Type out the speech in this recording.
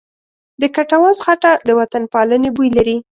د کټواز خټه د وطنپالنې بوی لري.